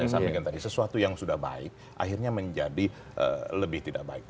saya sampaikan tadi sesuatu yang sudah baik akhirnya menjadi lebih tidak baik